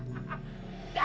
semeja dua meja